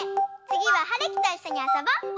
つぎははるきといっしょにあそぼ！